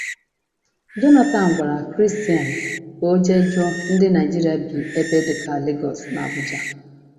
Jonathan gwara Christiane ka o jee jụọ ndị Nigeria bi ebe dịka Lagos na Abuja